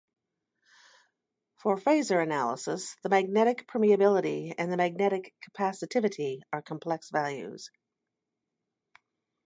For phasor analysis, the magnetic permeability and the magnetic capacitivity are complex values.